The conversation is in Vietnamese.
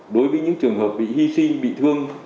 đối với những trường hợp bị hy sinh bị thương